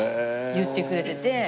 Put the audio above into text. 言ってくれてて。